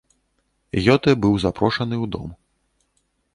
Гётэ быў запрошаны ў дом.